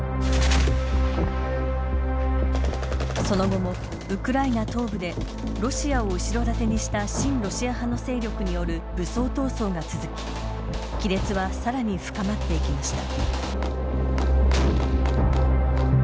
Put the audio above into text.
その後もウクライナ東部でロシアを後ろ盾にした親ロシア派の勢力による武装闘争が続き亀裂はさらに深まっていきました。